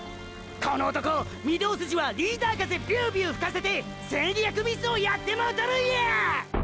この男御堂筋はリーダー風ビュービュー吹かせて戦略ミスをやってもうとるんや！！